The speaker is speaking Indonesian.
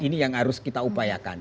ini yang harus kita upayakan